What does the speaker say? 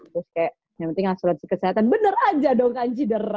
terus kayak yang penting asuransi kesehatan bener aja dong kan